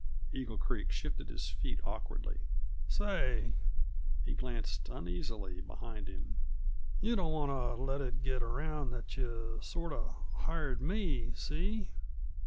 Eagle Creek shifted his feet awkwardly. "Say" he glanced uneasily behind him "yuh don't want t' let it get around that yuh sort of hired me see?"